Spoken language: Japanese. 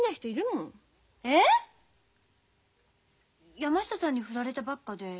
山下さんにふられたばっかで。